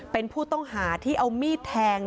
เป็นผู้ต้องหาที่เอามีดแทง